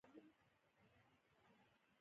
بندونه څنګه برښنا ورکوي؟